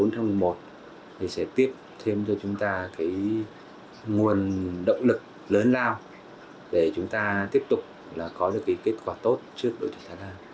thì sẽ tiếp thêm cho chúng ta cái nguồn động lực lớn rao để chúng ta tiếp tục là có được cái kết quả tốt trước đội tuyển thái lan